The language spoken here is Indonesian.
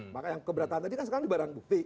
maka yang keberatan tadi kan sekarang barang bukti